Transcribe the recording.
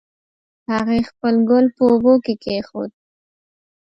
هغې خپل ګل په اوبو کې کېښود